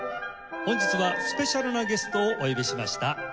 本日はスペシャルなゲストをお呼びしました。